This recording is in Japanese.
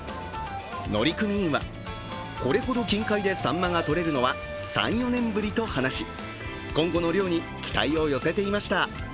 乗組員はこれほど近海でサンマがとれるのは３４年ぶりと話し、今後の漁に期待を寄せていました。